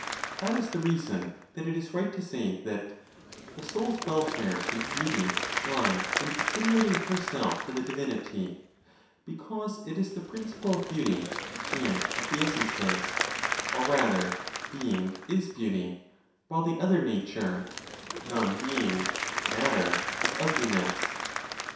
That is the reason that it is right to say that "the soul's welfare and beauty lie in assimilating herself to the divinity," because it is the principle of beauty and of the essences; or rather, being is beauty, while the other nature (non being, matter), is ugliness.